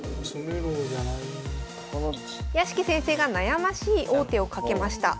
屋敷先生が悩ましい王手をかけました。